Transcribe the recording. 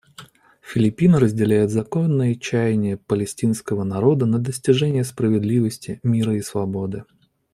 Филиппины разделяют законные чаяния палестинского народа на достижение справедливости, мира и свободы.